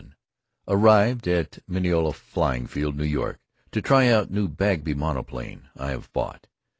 Arrived at Mineola flying field, N. Y. to try out new Bagby monoplane I have bought.